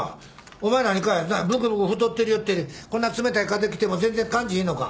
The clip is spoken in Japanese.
お前何かぶくぶく太ってるよってこんな冷たい風きても全然感じひんのか。